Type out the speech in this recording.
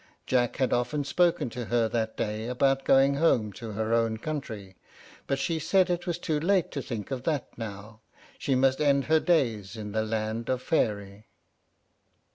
Jack had often spoken to her that day about going home to her own country, but she said it was too late to think of that now, and she must end her days in the land of Faery.